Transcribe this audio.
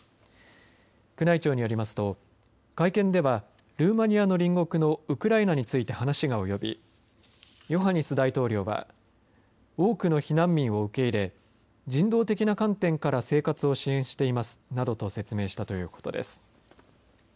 宮内庁によりますと会見ではルーマニアの隣国のウクライナについて話が及びヨハニス大統領は多くの避難民を受け入れ人道的な観点から生活を支援していますなどと説明したということです。